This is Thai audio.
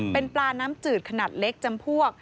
เป็นปลาน้ำจืดขนาดเล็กจำพวก